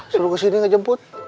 suruh ke sini ngejemput